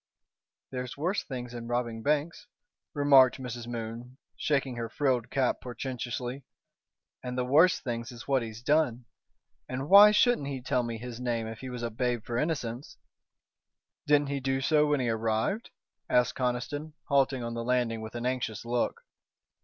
"There's worse things than robbing banks," remarked Mrs. Moon, shaking her frilled cap portentously, "and the worse things is what he's done. And why shouldn't he tell me his name if he was a babe for innocence?" "Didn't he do so when he arrived?" asked Conniston, halting on the landing with an anxious look.